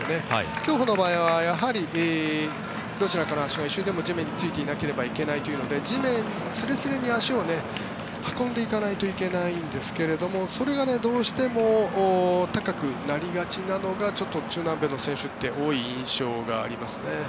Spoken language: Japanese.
競歩の場合はどちらかの足が一瞬でも地面についていないといけないというので地面すれすれに足を運んでいかないといけないんですがそれがどうしても高くなりがちなのがちょっと中南米の選手って多い印象がありますね。